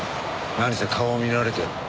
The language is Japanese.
なにせ顔を見られてる。